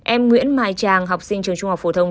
em nguyễn mai tràng học sinh trường trung học phổ thông